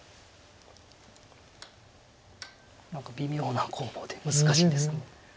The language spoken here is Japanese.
何か微妙な攻防で難しいです。